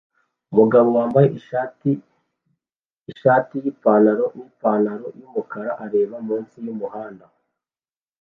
Umugabo wambaye ishati yipantaro nipantaro yumukara areba munsi yumuhanda